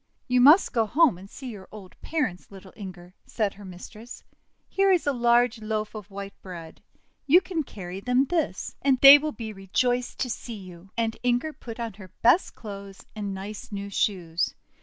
'You must go home and see your old parents, little Inger," said her mistress. "Here is a 'large loaf of white bread — you can carry them this. They will be rejoiced to see you." And Inger put on her best clothes and nice new shoes.